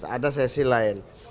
ada sesi lain